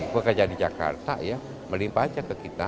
gue kerja di jakarta ya melimpah aja ke kita